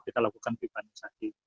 kita lakukan pipanisasi